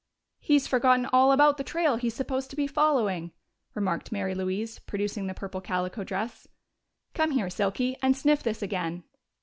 "He's forgotten all about the trail he's supposed to be following," remarked Mary Louise, producing the purple calico dress. "Come here, Silky, and sniff this again."